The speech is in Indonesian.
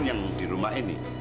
yang di rumah ini